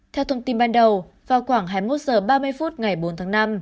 theo thông tin ban đầu vào khoảng hai mươi một h ba mươi phút ngày bốn tháng năm